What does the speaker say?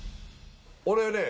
俺ね